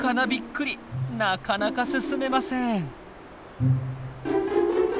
なかなか進めません。